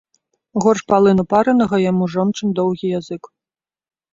Горш палыну паранага яму жончын доўгі язык.